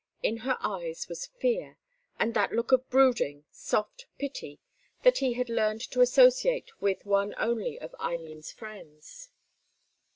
In her eyes was fear, and that look of brooding, soft pity that he had learnt to associate with one only of Eileen's friends.